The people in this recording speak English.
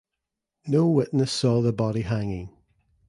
No witness saw the body hanging.